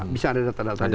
bisa ada data data